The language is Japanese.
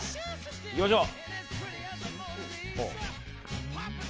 いきましょう。